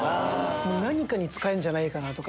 何かに使えんじゃないかなとか。